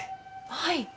はい。